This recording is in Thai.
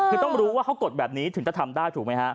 คือต้องรู้ว่าเขากดแบบนี้ถึงจะทำได้ถูกไหมฮะ